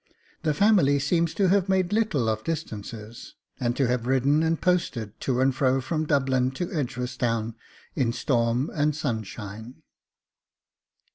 The family seems to have made little of distances, and to have ridden and posted to and fro from Dublin to Edgeworthstown in storm and sunshine.